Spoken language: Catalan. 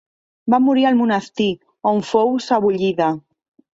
Va morir al monestir, on fou sebollida.